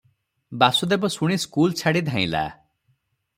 ବାସୁଦେବ ଶୁଣି ସ୍କୁଲ ଛାଡ଼ି ଧାଇଁଲା ।